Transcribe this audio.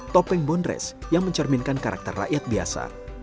topeng bondres yang mencerminkan karakter rakyat biasa